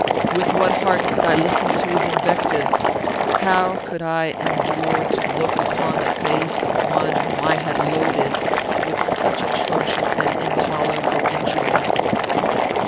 With what heart could I listen to his invectives? How could I endure to look upon the face of one whom I had loaded with such atrocious and intolerable injuries?